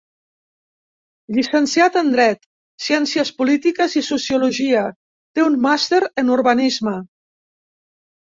Llicenciat en Dret, Ciències Polítiques i Sociologia; té un màster en urbanisme.